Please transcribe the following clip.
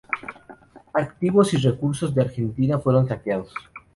Activos y recursos de Argentina fueron saqueados.